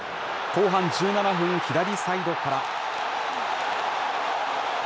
後半１７分、左サイドから。